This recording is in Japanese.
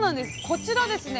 こちらですね